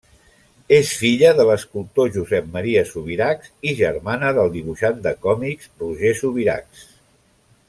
És filla de l'escultor Josep Maria Subirachs i germana del dibuixant de còmics Roger Subirachs.